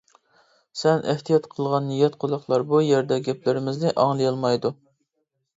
سەن ئېھتىيات قىلغان يات قۇلاقلار بۇ يەردە گەپلىرىمىزنى ئاڭلىيالمايدۇ.